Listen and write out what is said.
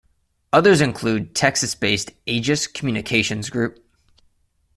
Others include Texas-based Aegis Communications Group.